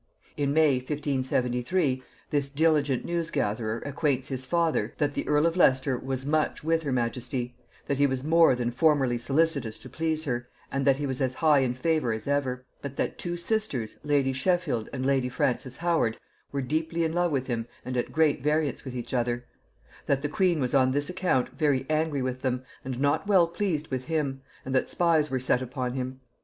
In May 1573, this diligent news gatherer acquaints his father, that the earl of Leicester was much with her majesty, that he was more than formerly solicitous to please her, and that he was as high in favor as ever: but that two sisters, lady Sheffield and lady Frances Howard, were deeply in love with him and at great variance with each other; that the queen was on this account very angry with them, and not well pleased with him, and that spies were set upon him.